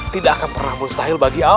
tidak akan pernah mustahil bagi allah